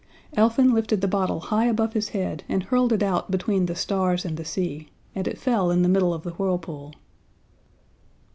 Elfin lifted the bottle high above his head and hurled it out between the stars and the sea, and it fell in the middle of the whirlpool.